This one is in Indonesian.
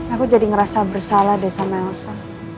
aku jadi ngerasa bersalah deh sama elsa